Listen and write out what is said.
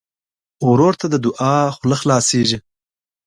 ورور ته د دعا خوله خلاصيږي.